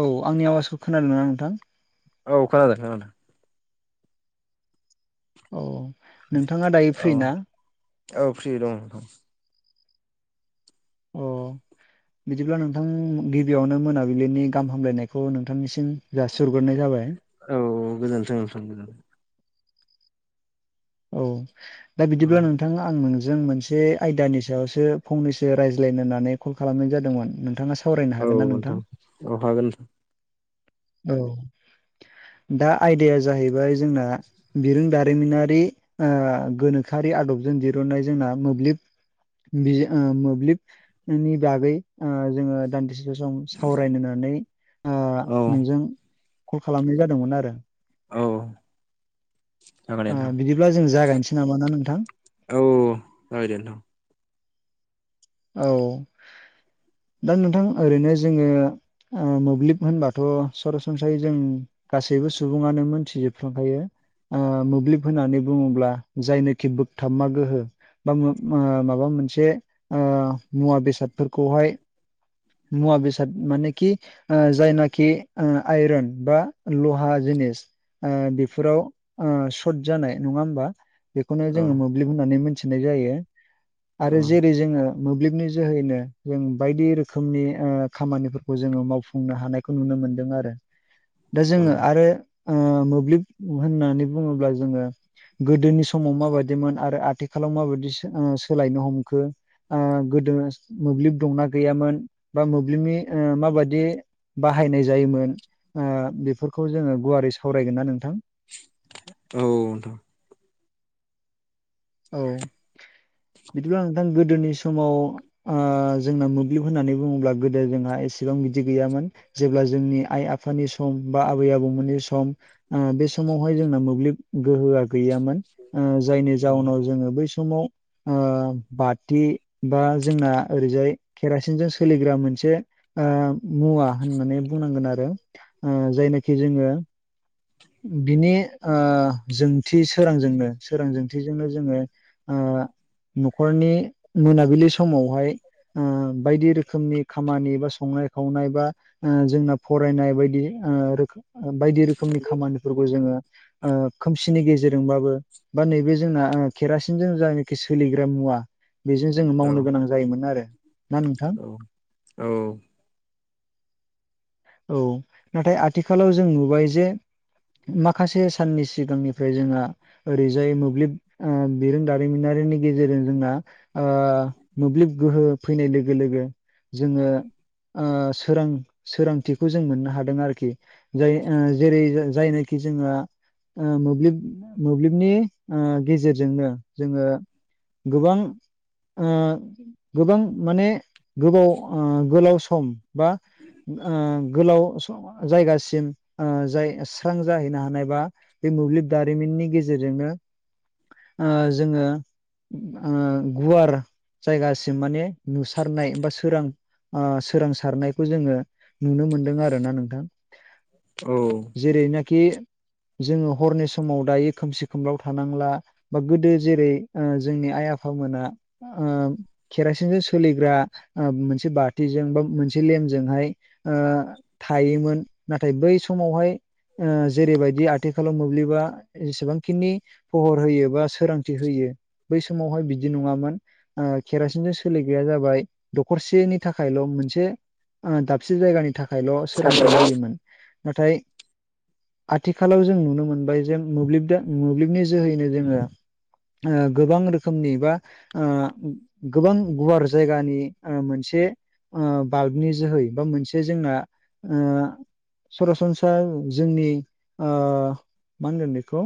औ आंनि आवाजखौ खोनादोंना नोंथां? औ खोनादों खोनादों। औ औ नोंथाङा दायो फ्रि ना? औ फ्रि दंथ। अ बिदिब्ला नोंथां गिबियावनो मोनाबिलिनि गाहाम हामलायनायखौ नोंथांनिसिम जासिहरगोरनाय जाबाय। औ गोजोनथों नोंथां। औ दा औ बिदिब्ला नों नोंथां आं नोंजों मोनसे आयदानि सायावसो फंनैसो रायज्लायनो होननानै कल खालामनाय जादोंमोन नोंथाङा स औ नोंथां औ हागोन। औ दा आयदाया जाहैबाय जोंना बिरोंदारिमिनारि गोनोखोआरि आदबजों दिरुननाय जोंना मोब्लिब बिजि ओ मोब्लिबनि बागै जोङो दान्दिसे दसे सम सावरायनो होननानै औ नोंजों कल खालामनाय जादोंमोन आरो। औ जागोन दे ओ नोंथां बिदिब्ला जों जागायनोसै नामा ना नोंथां? औ खोनाबाय दे नोंथां। औ दा नोंथां ओरैनो जोङो मोब्लिब होनबाथ' सरासनस्रायै जों गासैबो सुबुङानो मोनथिजोबफ्रांखायो। मोब्लिब होननानै बुङोब्ला जायनोखि बोगथाबा गोहो बा मा ओ माबा मोनसे ओ मुवा बेसादफोरखौहाय मुवा बेसाद मानेखि जायनाखि आयरन बा लहा जिनिस बेफोराव सर्ट जानाय नङा होमबा? बेखौनो औ जोङो मोब्लिब होननानै मिथिनाय जायो औ आरो जेरै जोङो मोब्लिबनि जोहैनो जों बायदि रोख खोमनि ओ खामानिफोरखौ जोङो मावफुंनो हानायखौ नुनो मोनदों आरो। दा औ जोङो आरो ओ मोब्लिब होननानै बुङोब्ला जोङो गोदोनि समाव माबायदिमोन आरो आथिखालाव माबायदि सो ओ सोलायनो हमखो। ओ गोदो मोब्लिब दंना गैयामोन। बा मोब्लिबनि ओ माबादि बाहायनाय जायोमोन। ओ बेफोरखौ जोङो गुवारै सावरायगोन ना नोंथां। औ-औ नोंथां। औ बिदिबा नोंथां गोदोनि समाव ओ जोंना मोब्लिब होननानै बुङोब्ला गोदो जोंहा एसेबां बिदि गैयामोन। जेब्ला जोंनि आइ आफानि सम बा आबै आबौमोननि सम ओ बे समावहाय जोंना मोब्लिब गोहोआ गैयामोन ओ जायनि औ जाउनाव जोङो बै समाव ओ बाथि बा जोंना ओरैजाय केरासिनजों सोलिग्रा मोनसे ओ मुवा होननानै बुंनांगोन आरो ओ जायनोखि जोङो बिनि ओ जोंथि सोरांजोंनो सोरां जोंथिजोंनो जोङो ओ न'खरनि मोनाबिलि समावहाय ओ बायदि रोखोमनि खामानि बा संनाय खावनाय बा ओ जोंना फरायनाय बायदि ओ रोखोम बाय खामानिफोरखौ जोङो ओ खोम सिनि गेजेरजोंबाबो बा नैबे जोंना ओ केरासिनजों जानोखि सोलिग्रा मुवा बेजों जों औ मावनो गोनां जायोमोन आरो ना नोंथां। औ नोंथां औ औ नाथाय आथिखालाव जों नुबाय जे माखासे साननि सिगांनिफ्राय जोङा ओरैजाय मोब्लिब ओ बिरों दारिमिनारिनि गेजेरजों जोंना ओ मोब्लिब गोहो फैनाय लोगो-लोगो जोङो ओ सोरां सोरांथिखौ जों मोननो हादों आरोखि जाय ओ जेरै जायनोखि जों ओ मोब्लिब मोब्लिबनि ओ गेजेरजोंनो जोङो गोबां ओ गोबां माने गोबाव ओ गोलाव सम बा ओ गोलाव सम जायगासिम ओ जाय सो स्रां जाहैनो हानाय बा बे मोब्लिब दारिमिननि गेजेरजोंनो ओ जोङो ओ गुवार जायगासिम माने नुसारनाय बा सोरां ओ सोरांसारनायखौ जोङो नुनो मोनदों आरो ना नोंथां। औ। जेरैनोखि जोङो हरनि समाव दायो खोमसि खोमलाव थानांला बा गोदो जेरै ओ जोंनि आइ आफामोना ओ केरासिनजों सोलिग्रा ओ मोनसे बाथिजों बा मोनसे लेमजोंहाय ओ थायोमोन नाथाय बै समावहाय ओ जेरैबायदि आथिखालाव मोब्लिबा जेसेबांखिनि पहर होयो बा सोरांथि होयो बै समावहाय बिदि नङामोन। आं केरासिनजों सोलिग्राया जाबाय दखरसेनि थाखायल' मोनसे ओ दाबसे जायगानि थाखायल' सोरोंथि होयोमोन। नाथाय आथिखालाव जों नुनो मोनबाय जे मोब्लिबदो मोब्लिबनि जोहैनो जोङो ओ गोबां रोखोमनि बा ओ गोबां गुवार जायगानि ओ मोनसे ओ बाल्बनि जोहै बा मोनसे जोंना ओ सरासनस्रा जोंनि ओ मा होनगोन बेखौ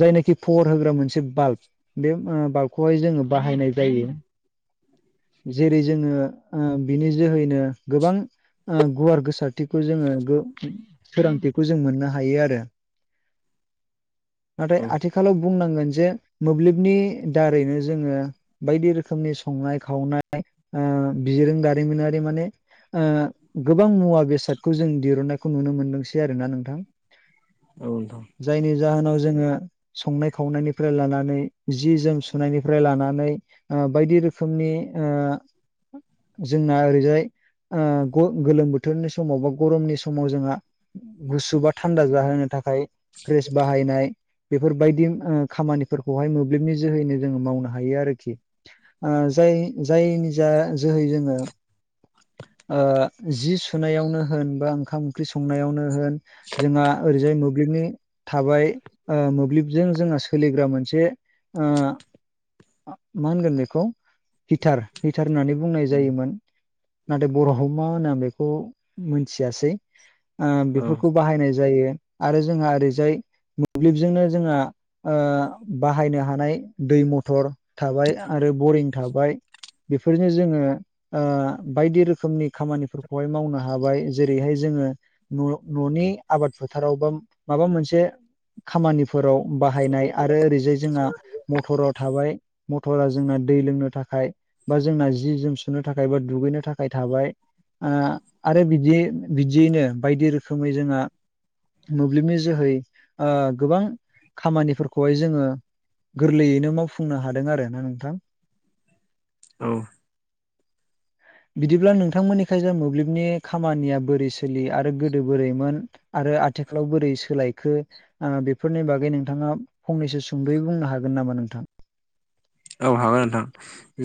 जायनोखि फहर होग्रा मोनसे बाल्ब बे बाल्बखौहाय जोङो बाहायनाय जायो जेरै जोङो ओ बिनि जोहैनो गोबां ओ गुवार गोसारथिखौ जोङो गो [unintelligible] मोननो हायो आरो नाथाय आथिखालाव बुंनांगोन जे मोब्लिबनि दारैनो जोङो बायदि रोखोमनि संनाय-खावनाय ओ बिरों दारिमिनारि माने ओ गोबां मुवा बेसादखौ जों दिरुनन्नायखौ नुनो मोनदोंसै आरो ना नोंथां? औ नोंथां। जायनि जाहोनाव जोङो संनाय खावनायनिफ्राय लानानै जि जोम सुनायनिफ्राय लानानै ओ बायदि रोखोमनि ओ जोंना ओरैजाहाय ओ ग गोलोम बोथोरनि समाव बा गरमनि समाव जोंहा गुसु बा थान्दा जाहोनो थाखाय फ्रिस बाहायनाय बेफोरबायदि ओ खामानिफोरखौहाय मोब्लिबनि जोहैनो जोङो मावनो हायो आरोखि ओ जाय जायनि जा जोहै जोङो ओ जि सुनायावनो होन बा ओंखाम ओंख्रि संनायावनो होन जोंहा ओरैजाय मोब्लिबनि थाबाय ओ मोब्लिबजों जोंहा सोलिग्रा मोनसे ओ मा होनगोन बेखौ हिटार हिटार होननानै बुंनाय जायोमोन। नाथाय बर' हाव मा होनो आं बेखौ मोनथियासै। ओ बेफोरखौ बाहायनाय जायो आरो जोंहा ओरैजाय मोब्लिबजोंनो जोंहा ओ बाहायनो हानाय दै मथर थाबाय आरो बरिं थाबाय। बिफोरनो जोङो ओ बायदि रोखोमनि खामानिफोरखौहाय मावनो हाबाय जेरैहाय जोङो न न'नि आबाद फोथाराव बा माबा मोनसे खामानि फोराव बाहायनाय आरो ओरैजाय जोंहा मटराव थाबाय मटरा जोंना दै लोंनो थाख फाय बा जोंना, जि जोम सुनो थाखाय बा दुगैनो थाखाय थाबाय ओ आरो बिदि बिदियैनो बायदि रोखोमै जोंहा मोब्लिबनि जोहै ओ गोबां खामानिफोरखौहाय जोङो गोरलैयैनो मावफुंनो हादों आरो ना नोंथां? औ बिदिब्ला नोंथांमोननिखाय जा मोब्लिबनि खामानिया बोरै सोलियो आरो गोदो बोरैमोन आरो आथिखालाव बोरै सोलायखो ओ बेफोरनि बागै नोंथाङा फंनैसो सुंद'यै बुंनो हागोन नामा नोंथां? औ हागोन नोंथां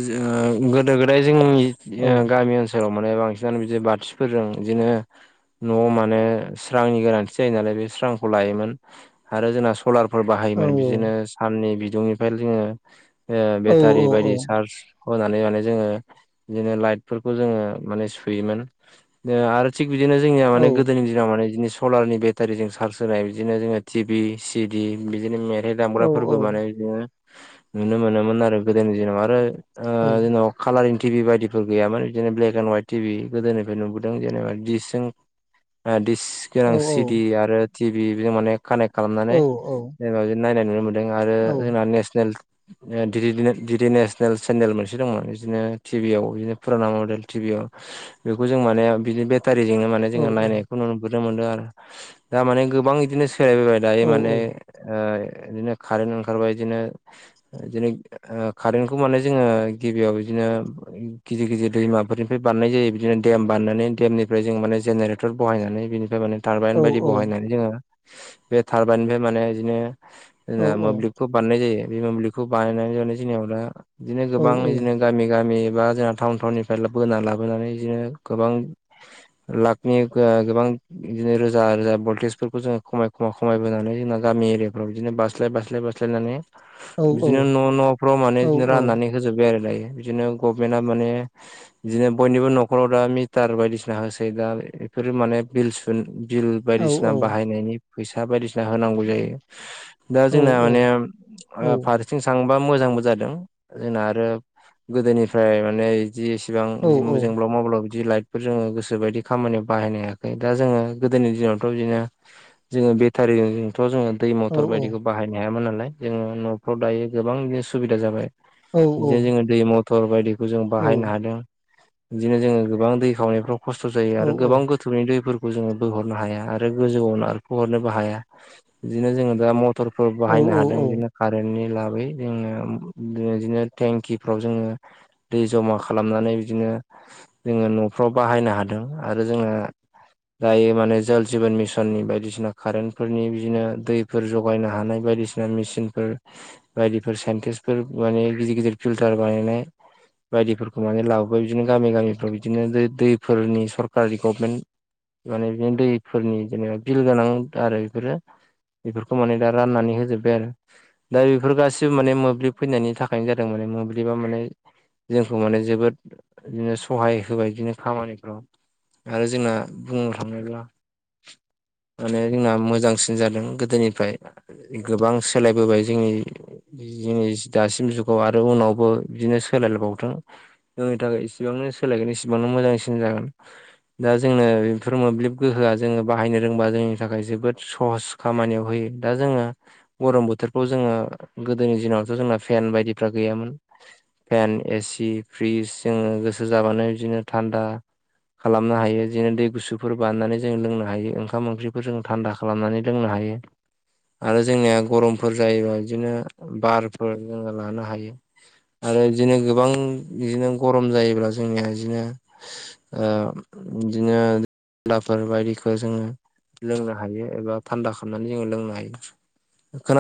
जो ओ गोदो गोदाय जोंनि ओ औ गामि ओनसो औ मोने बांसिनानो बिदिनो बाथिफोरजों इदिनो न'आव माने स्रांनि गोनांथि जायो नालाय बे स्रांखौ लायोमोन आरो जोंना सलार फोर औ बाहायोमोन बिदिनो साननि बिदुंनिफ्राय जोङो ओ बेटारि बायदि चार्ज होनानै माने जोङो बिदिनो लाइटफोरखौ जोङो माने सुयोमोन। नो आरो थिग बिदिनो जोंनिया माने गोदोनि बि जोंहा माने बिदिनो सलारनि बेटारिजों चार्ज होनाय बिदिनो जोङो टि भि सिडि बिदिनो मे बे औ दामग्राफोरबो माने बिदिनो नुनो मोनोमोन आरो गोदोनि दिनाव आरो ओ जोनाव कालारिं टि भि बायदिफोर गैयामोन बिदिनो ब्लेक एन्ड हाइट टिभि गोदोनिफ्राय नुबोदों जेनेबा दिडसजों ओ दिस गोनां सिडि आरो टि भि बिजों माने कानेक्ट खालामनानै जेनेबा बिदि नायनाय नुनो मोन जों आरो जोंना नेसनेल ओ दिदिनो दिदिनेसनेल चेनेल मोनसे दङमोन बिदिनो टि भियाव बिदिनो पुराना मडेल टि भियाव। बेखौ जों माने बिदिनो बेद टारिजोंनो माने जोङो नायखौ नुबोनो मोनदों आरो दा माने गोबां इदिनो सोलायबोबाय। दायो माने ओ इदिनो कारेन्ट ओंखारबाया इदिनो बिदिनो कारेन्टखौ माने जोङो गिबियाव बिदिनो गिदिर गिदिर दैमाफोरनिफ्राय बानायनाय जायो। बिदिनो देम बानायनानै देमनिफ्राय जों माने जेनेरेल टेक्टर बहायनानै बिनिफ्राय माने टारबाइन बायदि बहायनानै जोङो बे टारबाइननिफ्राय माने बिदिनो जों मोब्लिब खौ बानायनाय जायो। बे मोब्लिखौ बानाय जानाय जनायाव दा बिदिनो गोबां बिदिनो गामि गामि एबा जोंना टाउन थटाउननिफ्राय बोना लाबोनानै बिदिनो गोबां लाखनि गोबां, बिदिनो रोजा रोजा भल्टेजफोरखौ जोङो खमाय खा खमायबोनानै जोंना गामि एरियाफ्राव बिदिनो बास्लाय बास्लाय बासाय स्लायनानै बिदिनो न' न'फ्राव माने बिदिनो राननानै होजोब्बाय आरो दायो। बिदिनो गभमेन्टा माने बिदिनो बयनिबो न'खराव दा मिटार बायदिसिना होसै। दा बेफोरो माने बिल सु बिल बायदिसिना बाहायनायनि फैसा बायदिसिना होनांगौ जायो। दा जोंना माने सिथिं थांबा मोजांबो जादों। जोंना आरो गोदोनिफ्राय माने जिसिबां जोंब्ला माब्लादि लाइट जोङो गोसो बायदि खामानियाव बाहायनो हायाखै दा जोङो गोदोनि दिनावथ' बिदिनो जोङो बे फेक्टारिजोंथ' जोङो दै मथर बायदिखौ बाहायनो हायामोन नालाय जोङो न'फ्राव दायो गोबां बिदिनो सुबिदा जाबाय, बिदिनो जोङो दै म टर बायदिखौ जों बाहायनो हादों। बिदिनो जोङो गोबां दै खावनायफ्राव खस्थ' जायो आरो गोबां गो थुरनि दैफोरखौ जोङो बोहरनो हाया, आरो गोजौआव नाखोहरनोबो हाया बिदिनो जोङो दा टरफोर बाहायनो औ हादों औ बिदिनो कारेन्टनि लाबै जोङो बिदिनो टेंकिफ्राव जोङो, दै जमा खालामनानै बिदिनो जोङो न'फ्राव बाहायनो हादों आरो जोङो दायो माने जल जिबन मिसननि बायदिसिना कारेन्टफोरनि बिदिनो दै फोर जगायनो हानाय बायदिसिना मेसिन फोर बायदिफोर साइन्टिस्फोर माने गिदिर गिदिर फिल्टार बानायनाय बायदिफोरखौ माने लाबोबाय। बिदिनो गामि-गामिफ्राव बिदिनो दै दैफोरनि सरकारि गभमेन्ट माने बि दैफोरनि जेनेबा बिल गोनां आरो बेफोरो बेफोरखौ माने दा राननानै होजोब्बाय आरो। दा बेफोर गाससिबो माने मोब्लिब फैनायनि थाखायनो जादों। माने मोब्लिबा माने, जोंखौ माने जोबोद बिदिनो सहाय होबाय बिदिनो खामानिफ्राव आरो जोंना बुंनो थाङोब्ला माने जोंना मोजांसिन जादों गोदोनिफ्राय। गोबांसिन सोलायबोबाय जोंनि जिनिस दासिम जुगाव आरो उनावबो बिदिनो सोलाय लायबावथों। जोंनि थाखाय इसिबांनो सोलायगोन इसिबांनो मोजांसिन जागोन। दा जोंनो बेफोर मोब्लिब गोहोआ जोङो बाहायनो रोंबा जोंनि थाखाय जोबोद सहस। खामानियाव होयो। दा जोङो गरम बोथोरखौ जोङो गोदोनि दिनावथ' जोंना फेन बायदिफ्रा गैयामोन। फेन, एसि, फ्रिज जोङो गोसो जाबानो बिदिनो थान्दा खालामनो हायो जदिनो दै गुसुफोर बानायनानै जोंङो लोंनो हायो। ओंखाम ओंख्रिफोर जों थान्दा खालाम खालामनानै लोंनो हायो। आरो जोंनिया गरमफोर जायोबा बिदिनो बारफोर जोङो लानो हायो। आरो बिदिनो गोबां बिदिनो गरम जायोब्ला जोंनिया बिदिनो ओ बिदिनो दलाफोर बायदिखौ जोङो लोंनो हायो एबा थान्दा खालामनानै जोङो लोंनो हायो। [unintelligible]